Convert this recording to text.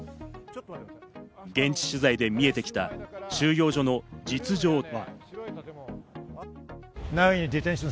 現地取材で見えてきた、収容所の実情は。